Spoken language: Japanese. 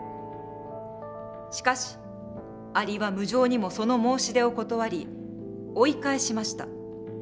しかしアリは無情にもその申し出を断り追い返しました。